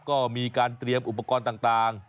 ก็มีการเตรียมอุปกรณ์ต่าง